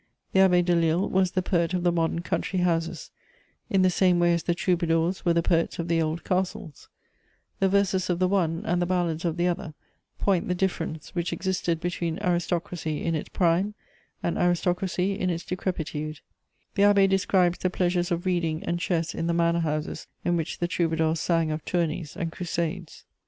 The Abbé Delille was the poet of the modern country houses, in the same way as the troubadours were the poets of the old castles; the verses of the one and the ballads of the other point the difference which existed between aristocracy in its prime and aristocracy in its decrepitude: the abbé describes the pleasures of reading and chess in the manor houses in which the troubadours sang of tourneys and crusades.